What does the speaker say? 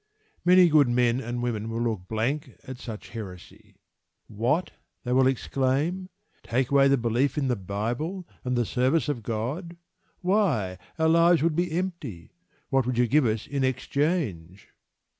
Many good men and women will look blank at such heresy. "What!" they will exclaim, "take away the belief in the Bible, and the service of God? Why, our lives would be empty. What would you give us in exchange?"